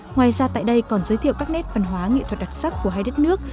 ngoài ra tại đây còn giới thiệu các nét văn hóa nghệ thuật đặc sắc của hai đất nước